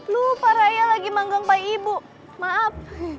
lupa raya lagi manggang pak ibu maaf